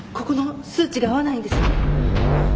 ここの数値が合わないんです。